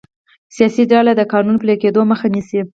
سیاسي ډلې د قانون پلي کیدو مخه نیسي